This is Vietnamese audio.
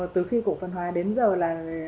từ khi cổ phần hóa đến giờ là